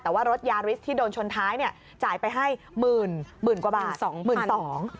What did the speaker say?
แต่ว่ารถยาริสที่โดนชนท้ายจ่ายไปให้๑๐๐๐๐๑๒๐๐๐บาท